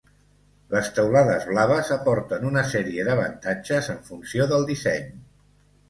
Les teulades blaves aporten una sèrie d'avantatges en funció del disseny.